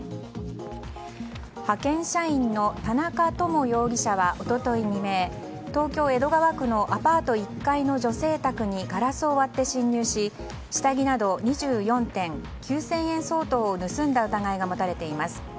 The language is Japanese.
派遣社員の田中知容疑者は一昨日未明東京・江戸川区のアパート１階の女性宅にガラスを割って侵入し下着など２４点９０００円相当を盗んだ疑いが持たれています。